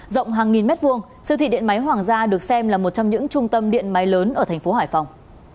rộng hàng nghìn mét vuông siêu thị điện máy hoàng gia được xem là một trong những trung tâm điện máy lớn ở thành phố hải phòng